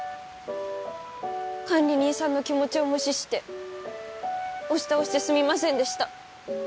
管理人さんの気持ちを無視して押し倒してすみませんでした。